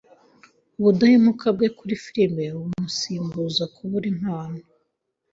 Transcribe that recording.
Ubudahemuka bwe kuri firime bumusimbuza kubura impano.